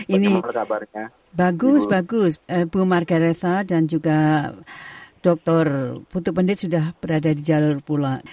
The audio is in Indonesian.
ini bagus bagus bu margaresa dan juga dokter putu pendit sudah berada di jalur pula